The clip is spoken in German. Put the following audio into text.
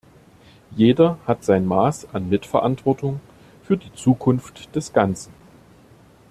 Jeder hat sein Maß an Mitverantwortung für die Zukunft des Ganzen.